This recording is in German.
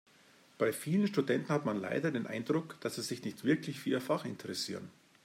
Bei vielen Studenten hat man leider den Eindruck, dass sie sich nicht wirklich für ihr Fach interessieren.